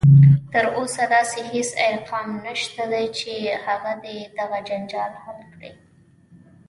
تر اوسه داسې هیڅ ارقام نشته دی چې هغه دې دغه جنجال حل کړي